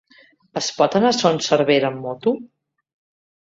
Es pot anar a Son Servera amb moto?